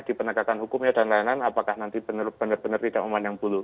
di penegakan hukumnya dan lain lain apakah nanti benar benar tidak memandang bulu